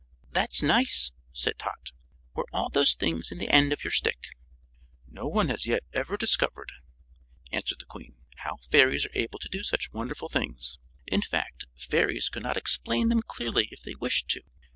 "That's nice," said Tot. "Were all those things in the end of your stick?" "No one has ever yet discovered," answered the Queen, "how fairies are able to do such wonderful things. In fact, fairies could not explain them clearly if they wished to.